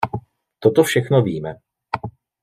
Toto všechno víme.